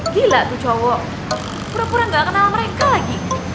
gila tuh cowok pura pura gak kenal mereka lagi